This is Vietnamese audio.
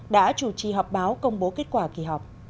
đã chủ trì họp báo công bố kết quả kỳ họp